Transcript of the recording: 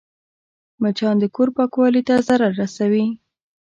مچان د کور پاکوالي ته ضرر رسوي